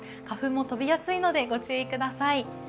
花粉も飛びやすいのでご注意ください。